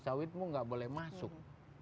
sawitmu tidak boleh masuk